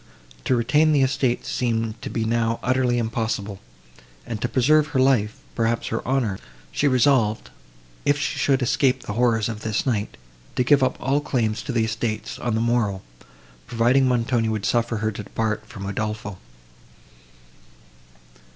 To retain the estates seemed to be now utterly impossible, and to preserve her life, perhaps her honour, she resolved, if she should escape the horrors of this night, to give up all claims to the estates, on the morrow, provided Montoni would suffer her to depart from Udolpho.